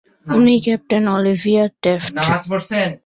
উনি captain Olivia theft.